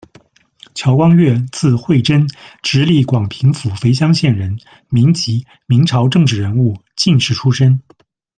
乔光岳，字会贞，直隶广平府肥乡县人，民籍，明朝政治人物、进士出身。